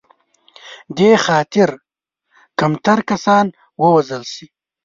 دې خاطر کمتر کسان ووژل شي.